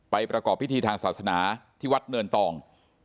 ประกอบพิธีทางศาสนาที่วัดเนินตอง